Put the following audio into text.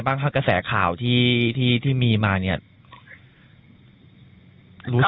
บางครั้งภาพโป๊ะที่ไม่ใช่เรานี่แหละค่ะ